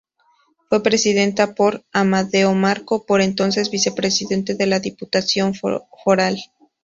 Fue presidida por Amadeo Marco, por entonces vicepresidente de la Diputación Foral.